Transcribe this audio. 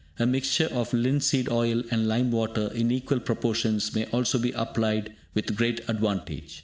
A mixture of linseed oil and lime water in equal proportions may also be applied with great advantage.